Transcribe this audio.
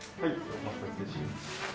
お待たせしました。